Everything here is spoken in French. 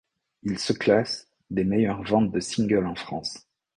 Il se classe des meilleures ventes de singles en France.